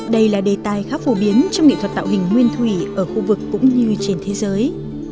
đây là đề tài khá phổ biến trong nghệ thuật tạo hình nguyên thủy ở khu vực cũng như trên thế giới